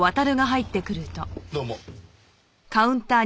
どうも。